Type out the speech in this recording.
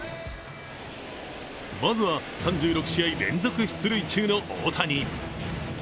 まずは３６試合連続出塁中の大谷。